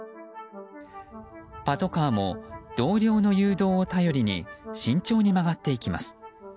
パトカーも、同僚の誘導を頼りに慎重に曲がっていきます。